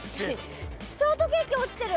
ショートケーキ落ちてる！